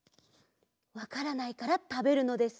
わからないからたべるのです。